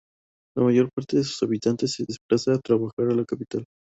La mayor parte de sus habitantes se desplaza a trabajar a la capital.